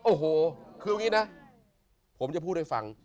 โอ้โหคืออย่างนี้นะผมจะพูดให้ฟัง